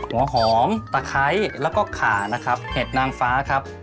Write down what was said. หัวหอมตะไคร้แล้วก็ขานะครับเห็ดนางฟ้าครับ